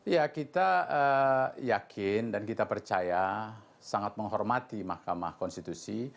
ya kita yakin dan kita percaya sangat menghormati mahkamah konstitusi